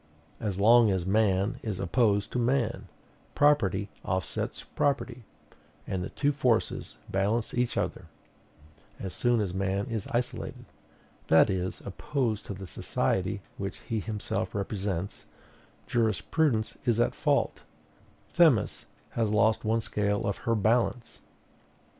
As long as man is opposed to man, property offsets property, and the two forces balance each other; as soon as man is isolated, that is, opposed to the society which he himself represents, jurisprudence is at fault: Themis has lost one scale of her balance.